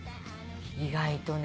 意外とね。